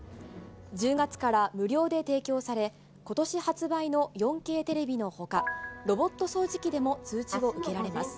１０月から無料で提供され、ことし発売の４Ｋテレビのほか、ロボット掃除機でも通知を受けられます。